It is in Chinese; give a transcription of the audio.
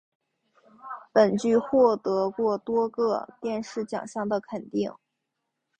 本剧获得过多个电视奖项的肯定。